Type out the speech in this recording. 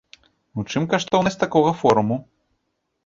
У чым каштоўнасць такога форуму?